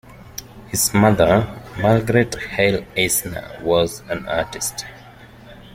His mother, Margarete Heil-Eisner, was an artist.